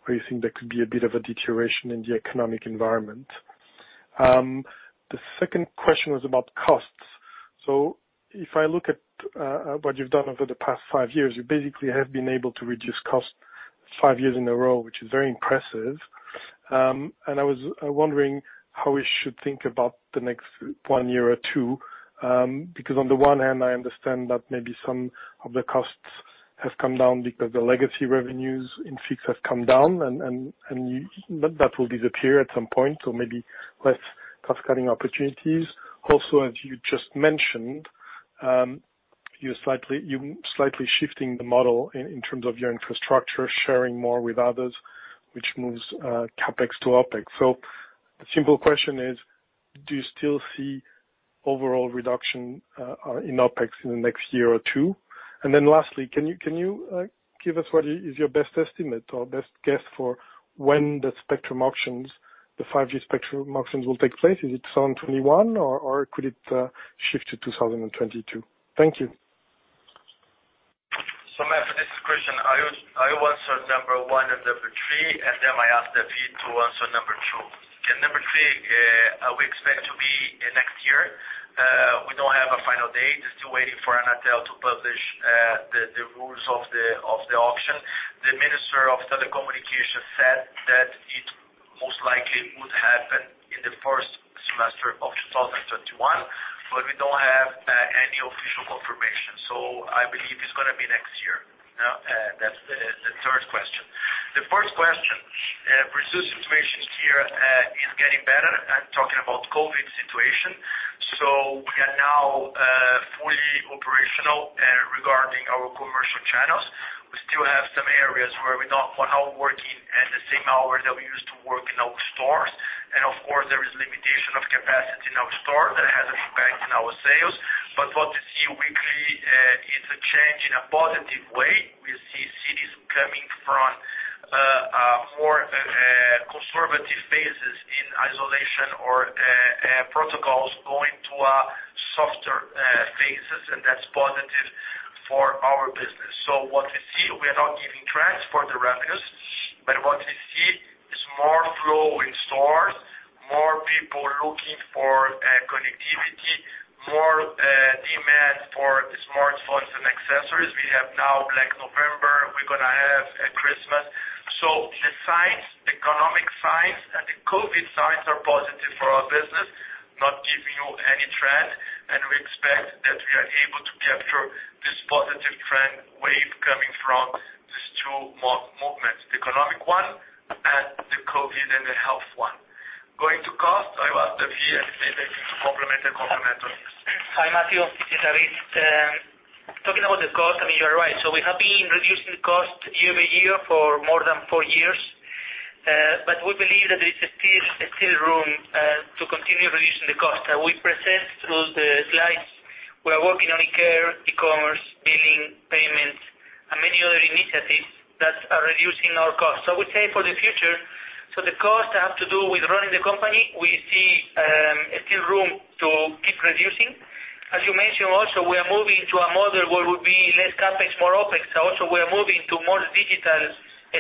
You think there could be a bit of a deterioration in the economic environment? The second question was about costs. If I look at what you've done over the past five years, you basically have been able to reduce costs five years in a row, which is very impressive. I was wondering how we should think about the next one year or two. On the one hand, I understand that maybe some of the costs have come down because the legacy revenues in fixed have come down, and that will disappear at some point, so maybe less cost-cutting opportunities. Also, as you just mentioned, you're slightly shifting the model in terms of your infrastructure, sharing more with others, which moves CapEx to OpEx. The simple question is, do you still see overall reduction in OpEx in the next year or two? Lastly, can you give us what is your best estimate or best guess for when the spectrum auctions, the 5G spectrum auctions will take place? Is it 2021, or could it shift to 2022? Thank you. Mathieu, this is Christian. I will answer number one and number three, and then I ask David to answer number two. Number three, we expect to be next year. We don't have a final date, still waiting for Anatel to publish the rules of the auction. The Minister of Communications said that it most likely would happen in the first semester of 2021. We don't have any official confirmation. I believe it's going to be next year. That's the third question. The first question. The situation here is getting better. I'm talking about COVID situation. We are now fully operational regarding our commercial channels. We still have some areas where we're not working the same hours that we used to work in our stores. Of course, there is limitation of capacity in our stores that has impact on our sales. What we see weekly is a change in a positive way. We see cities coming from more conservative phases in isolation or protocols going to softer phases, and that's positive for our business. What we see, we are not giving trends for the revenues, but what we see is more flow in stores, more people looking for connectivity, more demand for smartphones and accessories. We have now Black November. We're going to have Christmas. The signs, economic signs, and the COVID signs are positive for our business, not giving you any trend. We expect that we are able to capture this positive trend wave coming from these two movements, the economic one and the COVID and the health one. Going to cost, I'll ask David to complement on this. Hi, Mathieu. This is David. Talking about the cost, you're right. We have been reducing cost year-over-year for more than four years. We believe that there is still room to continue reducing the cost. We present through the slides, we are working on e-care, e-commerce, billing, payments, and many other initiatives that are reducing our costs. I would say for the future, the costs have to do with running the company. We see still room to keep reducing. As you mentioned also, we are moving to a model where would be less CapEx, more OpEx. Also, we are moving to more digital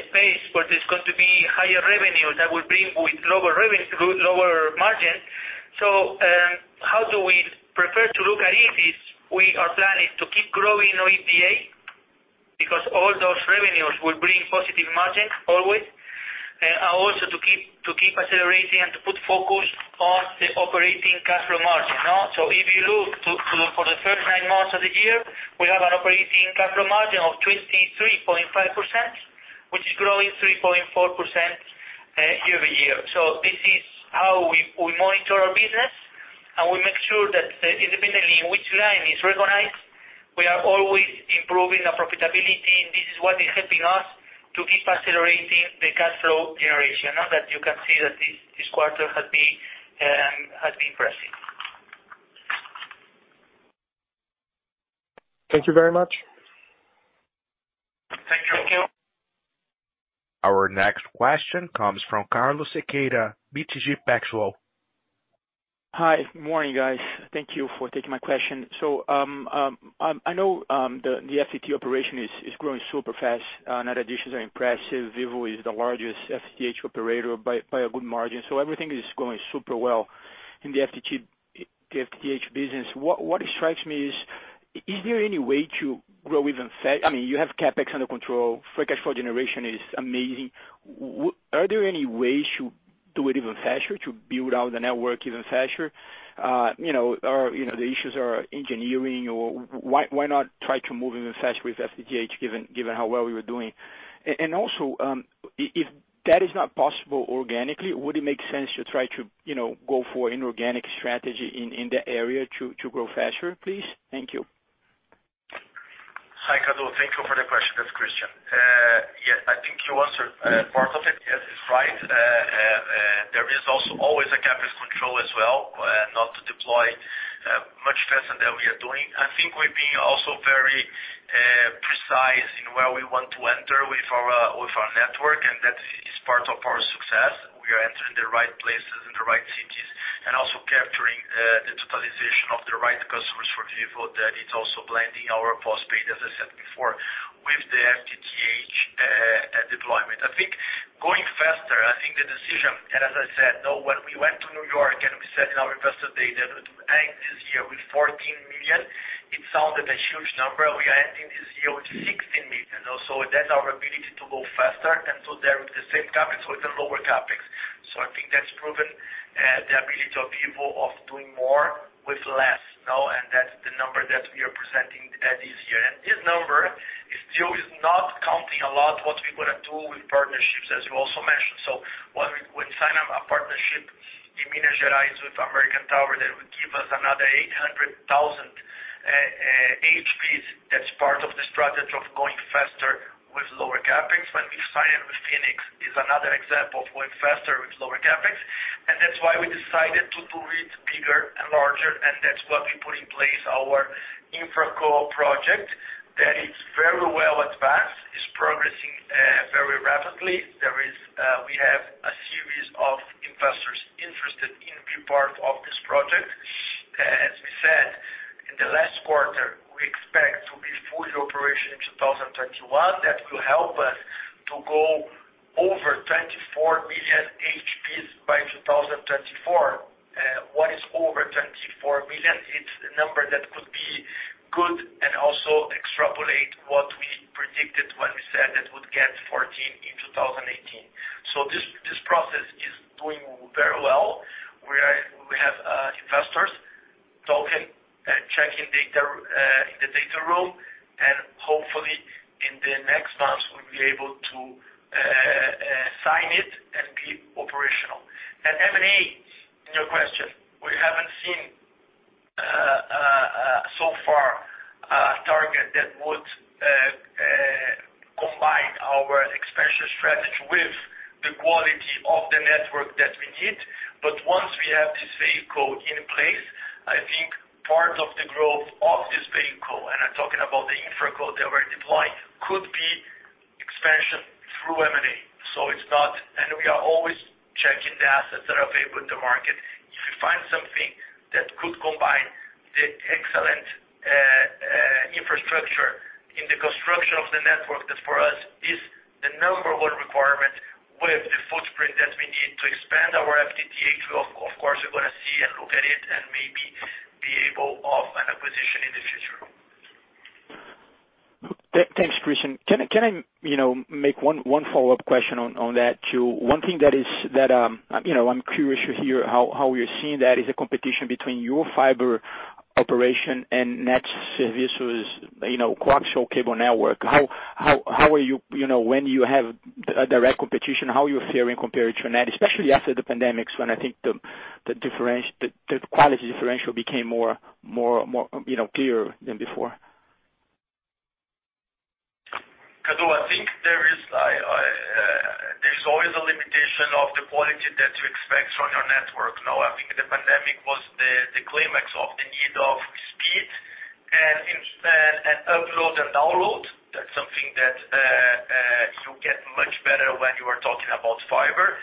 space, there's going to be higher revenue that will bring with lower margin. How do we prefer to look at it is our plan is to keep growing our EBITDA, because all those revenues will bring positive margin always. Also to keep accelerating and to put focus on the operating cash flow margin. If you look for the first nine months of the year, we have an operating cash flow margin of 23.5%, which is growing 3.4% year-over-year. This is how we monitor our business, and we make sure that independently in which line is recognized, we are always improving our profitability, and this is what is helping us to keep accelerating the cash flow generation. Now that you can see that this quarter has been impressive. Thank you very much. Thank you. Our next question comes from Carlos Sequeira, BTG Pactual. Hi. Good morning, guys. Thank you for taking my question. I know the FTTH operation is growing super fast. Net additions are impressive. Vivo is the largest FTTH operator by a good margin. Everything is going super well in the FTTH business. What strikes me is there any way to grow even fast? You have CapEx under control. Free cash flow generation is amazing. Are there any ways to do it even faster, to build out the network even faster? The issues are engineering, or why not try to move even faster with FTTH given how well we were doing? If that is not possible organically, would it make sense to try to go for inorganic strategy in that area to grow faster, please? Thank you. Hi, Carlos. Thank you for the question. That's Christian. Yes, I think you answered part of it. Yes, it's right. There is also always a CapEx control as well, not to deploy much faster than we are doing. I think we're being also very precise in where we want to enter with our network, and that is part of our success. We are entering the right places in the right cities and also capturing the totalization of the right customers for Vivo that it's also blending our postpaid, as I said before, with the FTTH deployment. I think going faster, I think the decision, and as I said, when we went to New York and we said in our Investor Day that we end this year with 14 million, it sounded a huge number. We are ending this year with 16 million. That's our ability to go faster, there with the same CapEx or even lower CapEx. I think that's proven the ability of Vivo of doing more with less. That's the number that we are presenting at this year. This number still is not counting a lot what we're going to do with partnerships, as you also mentioned. When we sign a partnership in Minas Gerais with American Tower, that would give us another 800,000 HPs. That's part of the strategy of going faster with lower CapEx. When we signed with Phoenix is another example of going faster with lower CapEx. That's why we decided to do it bigger and larger, that's what we put in place our InfraCo project that is very well advanced, is progressing very rapidly. We have a series of investors interested in being part of this project. As we said in the last quarter, we expect to be fully operational in 2021. That will help us to go over 24 million HPs by 2024. What is over 24 million? It's the number that could be good and also extrapolate what we predicted when we said that we'd get 14 in 2018. This process is doing very well. We have investors talking and checking data. Hopefully in the next months, we'll be able to sign it and be operational. M&A, to your question, we haven't seen so far a target that would combine our expansion strategy with the quality of the network that we need. Once we have this vehicle in place, I think part of the growth of this vehicle, and I'm talking about the InfraCo that we're deploying, could be expansion through M&A. We are always checking the assets that are available in the market. If we find something that could combine the excellent infrastructure in the construction of the network, that for us is the number one requirement with the footprint that we need to expand our EBITDA, of course, we're going to see and look at it and maybe be able of an acquisition in the future. Thanks, Christian. Can I make one follow-up question on that, too? One thing that I'm curious to hear how you're seeing that is the competition between your fiber operation and NET Serviços's coaxial cable network. When you have direct competition, how are you faring compared to NET, especially after the pandemic, when I think the quality differential became clearer than before? Carlos, I think there's always a limitation of the quality that you expect from your network. Now, I think the pandemic was the climax of the need of speed, and upload and download. That's something that you get much better when you are talking about fiber.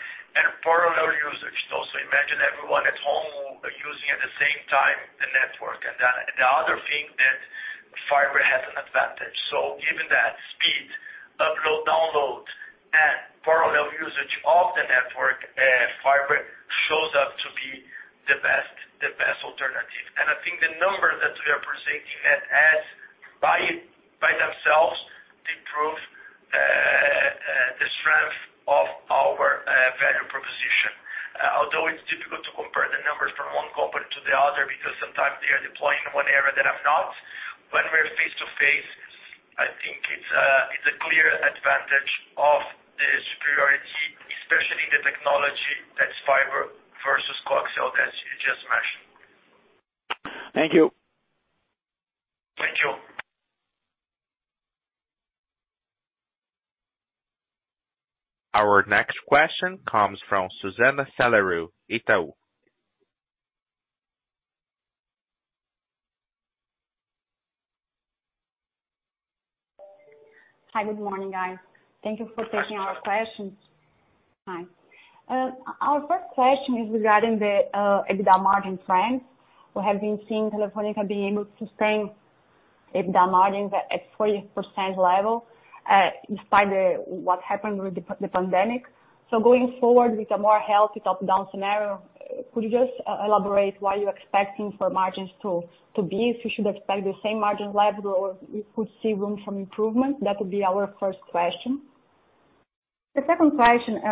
Parallel usage. Imagine everyone at home using at the same time the network. The other thing that fiber has an advantage. Given that speed, upload, download, and parallel usage of the network, fiber shows up to be the best alternative. I think the numbers that we are presenting add by themselves, they prove the strength of our value proposition. Although it's difficult to compare the numbers from one company to the other, because sometimes they are deploying in one area that I've not. When we're face to face, I think it's a clear advantage of the superiority, especially the technology that's fiber versus coaxial, as you just mentioned. Thank you. Thank you. Our next question comes from Susana Salaru, Itaú. Hi. Good morning, guys. Thank you for taking our questions. Hi. Our first question is regarding the EBITDA margin trends. We have been seeing Telefônica being able to sustain EBITDA margins at 40% level, despite what happened with the pandemic. Going forward with a more healthy top-down scenario, could you just elaborate what you're expecting for margins to be? If we should expect the same margin level, or if we could see room for improvement? That would be our first question. The second question,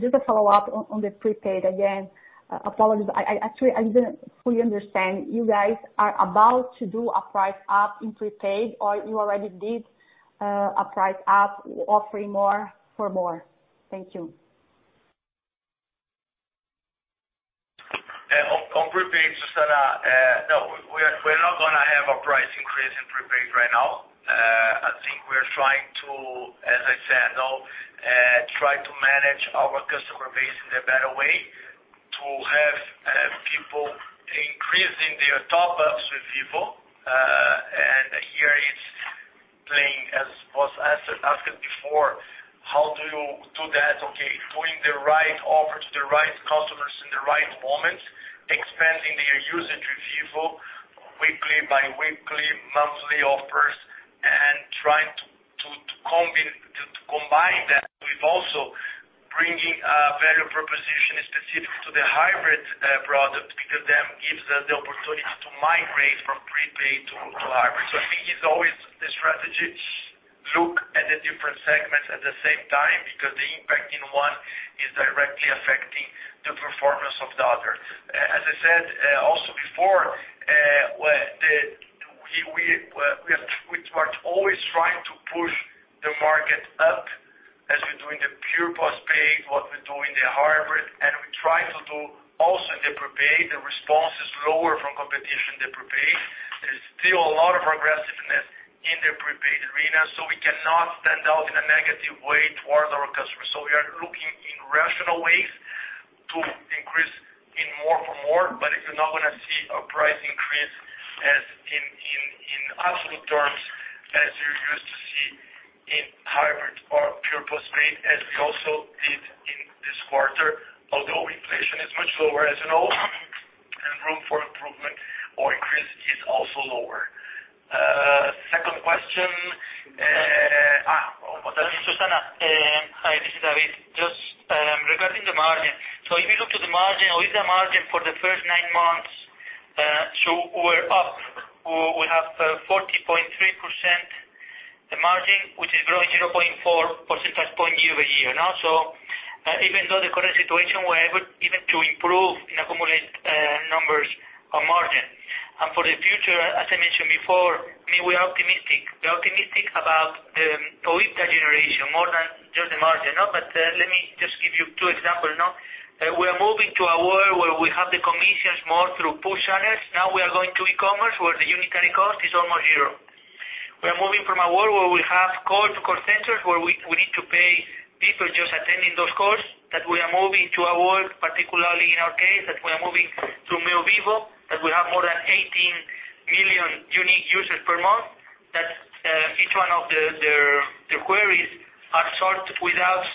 just a follow-up on the prepaid. Again, apologies, actually, I didn't fully understand. You guys are about to do a price up in prepaid, or you already did a price up, offering more for more? Thank you. On prepaid, Susana, no, we're not going to have a price increase in prepaid right now. I think we're trying to, as I said, try to manage our customer base in a better way to have people increasing their top-ups with Vivo. Here it's playing, as was asked before, how do you do that? Okay, putting the right offer to the right customers in the right moment, expanding their usage with Vivo weekly by weekly, monthly offers, and trying to combine that with also bringing a value proposition specific to the hybrid product, because that gives us the opportunity to migrate from prepaid to hybrid. I think it's always the strategy to look at the different segments at the same time, because the impact in one is directly affecting the performance of the other. As I said also before, we are always trying to push the market up as we do in the pure postpaid, what we do in the hybrid, and we try to do also in the prepaid. The response is lower from competition in the prepaid. There's still a lot of aggressiveness in the prepaid arena, so we cannot stand out in a negative way towards our customers. We are looking in rational ways to increase in more for more. You're not going to see a price increase as in absolute terms as you're used to see in hybrid or pure postpaid, as we also did in this quarter. Inflation is much lower, as you know, and room for improvement or increase is also lower. Second question. Susana. Hi, this is David. Just regarding the margin. If you look to the margin, with the margin for the first nine months, we're up. We have 40.3% the margin, which is growing 0.4 percentage point year over year. Even though the current situation, we're able even to improve in accumulate. For the future, as I mentioned before, we are optimistic. We are optimistic about the OIBDA generation more than just the margin. Let me just give you two examples. We are moving to a world where we have the commissions more through push channels. Now we are going to e-commerce, where the unit cost is almost zero. We are moving from a world where we have call to call centers, where we need to pay people just attending those calls, that we are moving to a world, particularly in our case, that we are moving to Meu Vivo, that we have more than 18 million unique users per month, that each one of their queries are solved without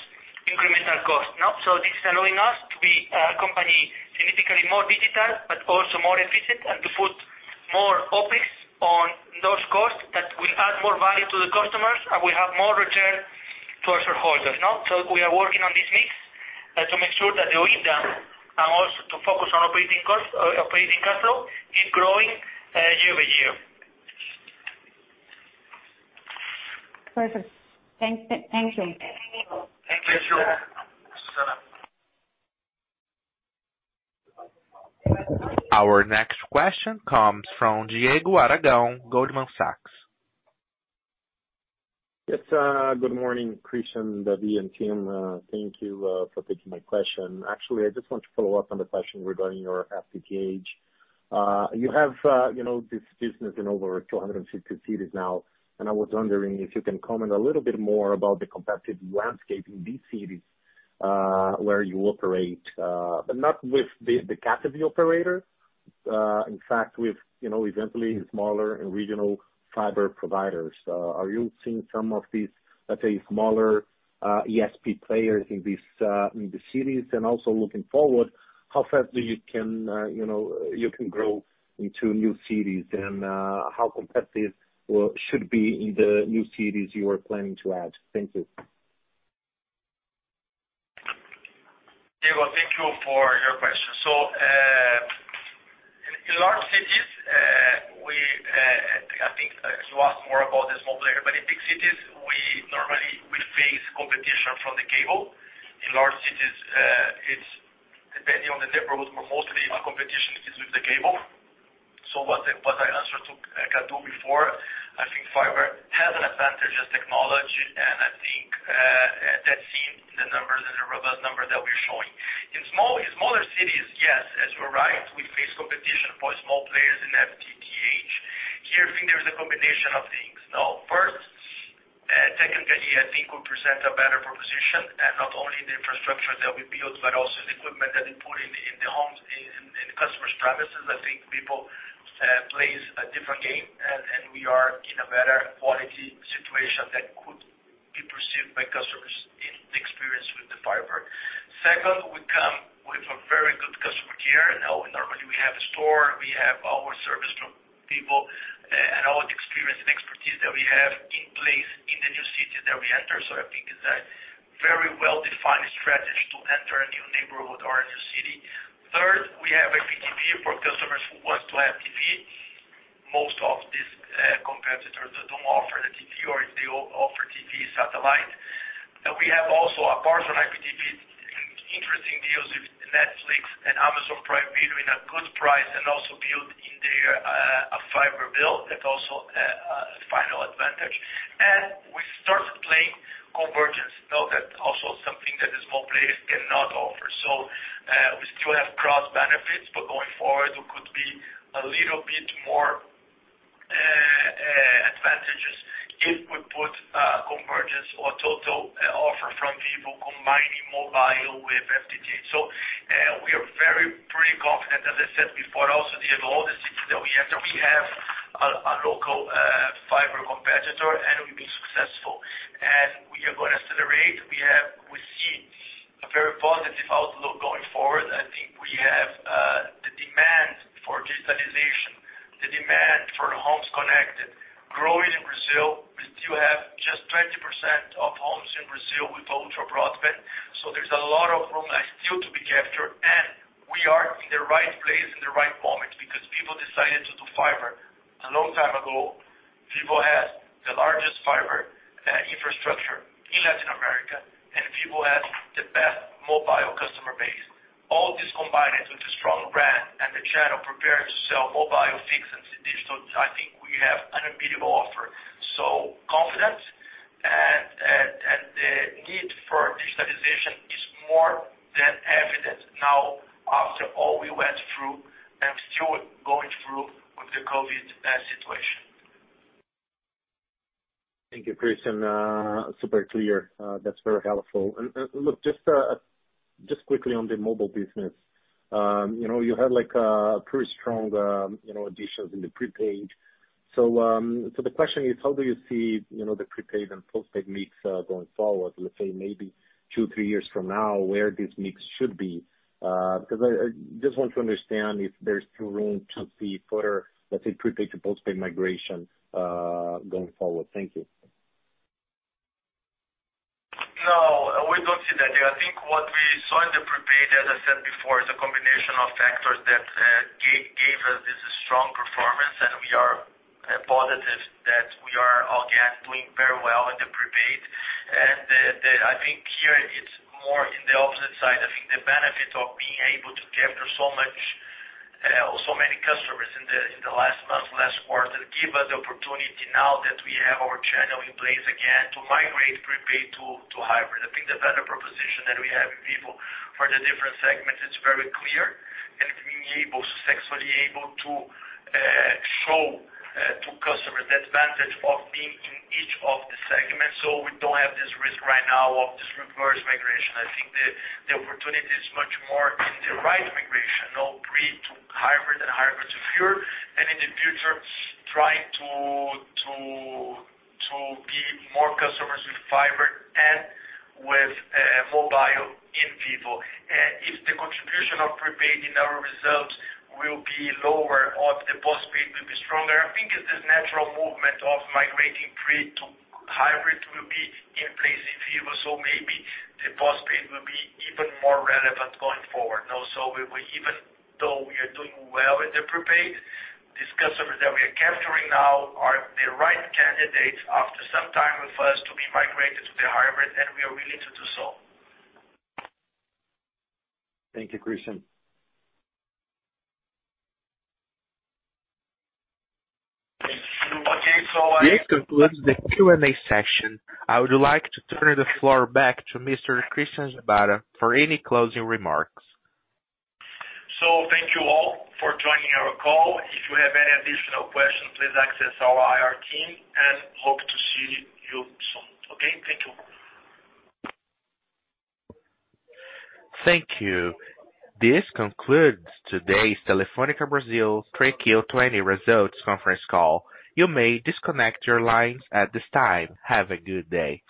incremental cost. This is allowing us to be a company significantly more digital but also more efficient, and to put more OpEx on those costs that will add more value to the customers, and will have more return to our shareholders. We are working on this mix to make sure that the OIBDA, and also to focus on operating cash flow, keep growing year-over-year. Perfect. Thanks so much. Thank you. Sure. Our next question comes from Diego Aragão, Goldman Sachs. Yes, good morning, Christian, David, and team. Thank you for taking my question. Actually, I just want to follow up on the question regarding your FTTH. You have this business in over 250 cities now, and I was wondering if you can comment a little bit more about the competitive landscape in these cities, where you operate, but not with the category operator. In fact, with eventually smaller and regional fiber providers. Are you seeing some of these, let's say, smaller ISP players in the cities? Also looking forward, how fast you can grow into new cities and how competitive should it be in the new cities you are planning to add? Thank you. Diego, thank you for your question. In large cities, I think you asked more about the small player, but in big cities, we normally will face competition from the cable. In large cities, it's depending on the neighborhood, but mostly our competition is with the cable. What I answered to Carlos before, I think fiber has an advantage as technology, and I think that's seen in the numbers, in the robust numbers that we're showing. In smaller cities, yes, as you're right, we face competition for small players in FTTH. Here, I think there's a combination of things. First, technically, I think we present a better proposition, and not only in the infrastructure that we build, but also the equipment that they put in the homes, in the customer's premises. I think people play a different game, and we are in a better quality situation that could be perceived by customers in the experience with the fiber. Second, we come with a very good customer care. Now, normally we have a store, we have our service from people, and all the experience and expertise that we have in place in the new city that we enter. I think it's a very well-defined strategy to enter a new neighborhood or a new city. Third, we have IPTV for customers who want to have TV. Most of these competitors don't offer the TV, or if they offer TV, it's satellite. We have also, apart from IPTV, interesting deals with Netflix and Amazon Prime Video in a good price, and also build in there a fiber build that's also a final advantage. We started playing convergence. That's also something that the small players cannot offer. We still have cross-benefits, but going forward, it could be a little bit more advantages if we put convergence or total offer from people combining mobile with FTTH. We are very pretty confident, as I said before, also in all the cities that we enter, we have a local fiber competitor, and we've been successful. We are going to accelerate. We see a very positive outlook going forward. I think we have the demand for digitalization, the demand for homes connected, growing in Brazil. We still have just 20% of homes in Brazil with ultra broadband, so there's a lot of room still to be captured, and we are in the right place in the right moment because people decided to do fiber a long time ago. Vivo has the largest fiber infrastructure in Latin America, and Vivo has the best mobile customer base. All this combined with a strong brand and the channel prepared to sell mobile, fixed and digital, I think we have an unbeatable offer. Confidence and the need for digitalization is more than evident now after all we went through and still going through with the COVID situation. Thank you, Christian. Super clear. That's very helpful. Look, just quickly on the mobile business. You had pretty strong additions in the prepaid. The question is, how do you see the prepaid and postpaid mix going forward? Let's say maybe two, three years from now, where this mix should be? I just want to understand if there's still room to see further, let's say, prepaid to postpaid migration going forward. Thank you. No, we don't see that. I think what we saw in the prepaid, as I said before, is a combination of factors that gave us this strong performance, and we are positive that we are [inaudible] very well in the prepaid. I think here it's more on the opposite side. I think the benefit of being able to capture so many customers in the last month, last quarter, give us the opportunity now that we have our channel in place again, to migrate prepaid to hybrid. I think the better proposition that we have in Vivo for the different segments, it's very clear, and we've been successfully able to show to customers the advantage of being in each of the segments. We don't have this risk right now of this reverse migration. I think the opportunity is much more in the right migration. Pre to hybrid and hybrid to pure, and in the future trying to give more customers with fiber and with mobile in Vivo. If the contribution of prepaid in our results will be lower or the postpaid will be stronger, I think it's this natural movement of migrating pre to hybrid will be in place in Vivo, so maybe the postpaid will be even more relevant going forward. Even though we are doing well with the prepaid, these customers that we are capturing now are the right candidates after some time with us to be migrated to the hybrid, and we are willing to do so. Thank you, Christian. Okay. So- This concludes the Q&A session. I would like to turn the floor back to Mr. Christian Gebara for any closing remarks. Thank you all for joining our call. If you have any additional questions, please access our IR team, and hope to see you soon. Okay. Thank you. Thank you. This concludes today's Telefônica Brasil 3Q 2020 results conference call. You may disconnect your lines at this time. Have a good day.